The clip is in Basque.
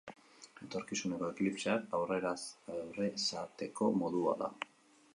Etorkizuneko eklipseak aurresateko modua da.